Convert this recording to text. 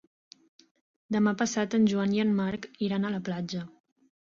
Demà passat en Joan i en Marc iran a la platja.